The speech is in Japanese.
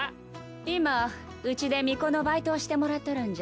今うちで巫女のバイトをしてもらっとるんじゃ。